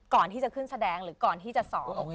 ก่อนที่จะขึ้นแสดงหรือก่อนที่จะสอน